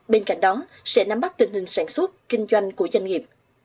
bên cạnh đó sẽ nắm bắt tình hình sản xuất kinh doanh của doanh nghiệp